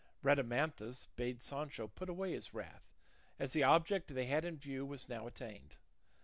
Rhadamanthus bade Sancho put away his wrath, as the object they had in view was now attained.